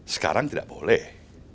sekarang tidak boleh